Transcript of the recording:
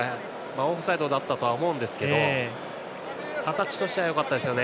オフサイドだったとは思うんですが形としてはよかったですよね。